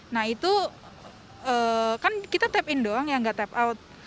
nah itu kan kita tap in doang yang nggak tap out